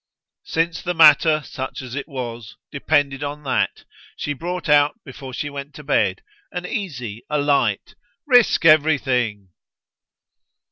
Since the matter, such as it was, depended on that, she brought out before she went to bed an easy, a light "Risk everything!"